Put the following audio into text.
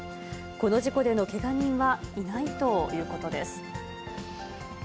この事故でのけが人はいないということです。